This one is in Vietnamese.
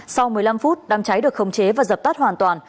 sau một mươi năm phút đám cháy được khống chế và dập tắt hoàn toàn